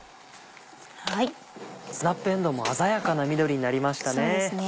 スナップえんどうも鮮やかな緑になりましたね。